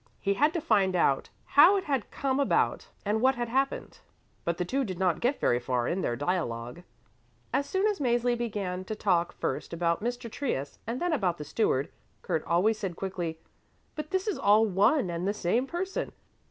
He had to find out how it had come about and what had happened, but the two did not get very far in their dialogue. As soon as Mäzli began to talk first about Mr. Trius and then about the Steward, Kurt always said quickly, "But this is all one and the same person.